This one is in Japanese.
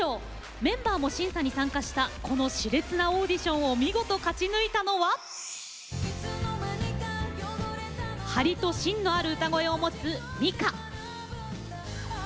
メンバーも審査に参加したこのしれつなオーディションを見事、勝ち抜いたのは張りと芯のある歌声を持つミカ。